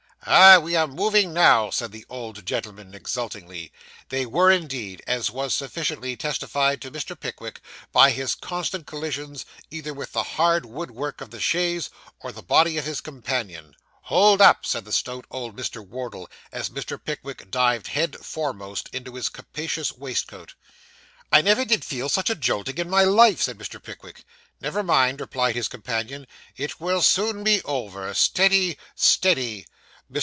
'Ah! we are moving now,' said the old gentleman exultingly. They were indeed, as was sufficiently testified to Mr. Pickwick, by his constant collision either with the hard wood work of the chaise, or the body of his companion. 'Hold up!' said the stout old Mr. Wardle, as Mr. Pickwick dived head foremost into his capacious waistcoat. 'I never did feel such a jolting in my life,' said Mr. Pickwick. 'Never mind,' replied his companion, 'it will soon be over. Steady, steady.' Mr.